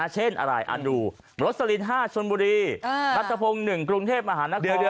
เช่นอะไรอ่ะดูรถสลิน๕ชนบุรีรถสะพง๑กรุงเทพฯอาหารนคร